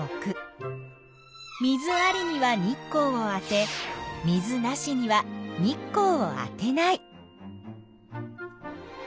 水ありには日光を当て水なしには日光を当てない。